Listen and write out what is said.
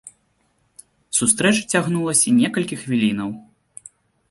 Сустрэча цягнулася некалькі хвілінаў.